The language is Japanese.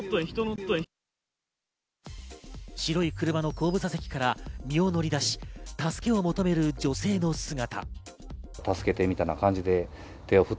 白い車の後部座席から身を乗り出し、助けを求める女性の姿。